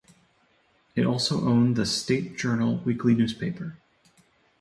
It also owned the "State Journal" weekly newspaper.